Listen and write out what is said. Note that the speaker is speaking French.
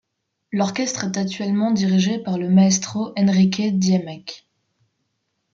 L’orchestre est actuellement dirigé par le Maestro Enrique Diemecke.